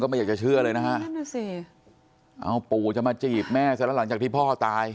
ก็ไม่อยากจะเชื่อเลยนะฮะเอ้าปู่จะมาจีบแม่เสร็จแล้วหลังจากที่พ่อตาย